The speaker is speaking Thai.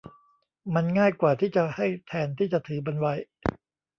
มันง่ายกว่าที่จะให้แทนที่จะถือมันไว้